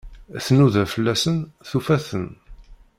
Tnuda fell-asen, tufa-ten.